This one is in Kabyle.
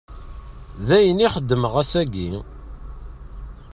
D ayen i ixeddem ass-agi.